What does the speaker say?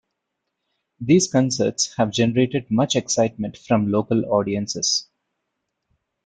These concerts have generated much excitement from local audiences.